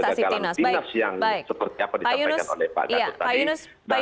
yang seperti apa yang ditampilkan oleh pak gatot tadi